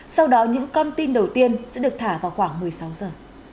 sau đó những con tin đầu tiên sẽ được thả vào khoảng một mươi sáu giờ